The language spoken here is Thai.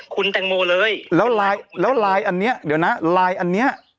คุณแตงโมเลยแล้วไลน์แล้วไลน์อันเนี้ยเดี๋ยวนะไลน์อันเนี้ย